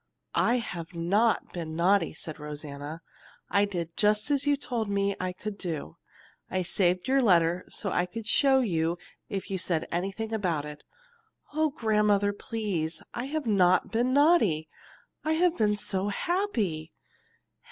"I have not been naughty," said Rosanna. "I did just as you told me I could do. I saved your letter so I could show you if you said anything about it. Oh, grandmother, please, I have not been naughty! I have been so happy."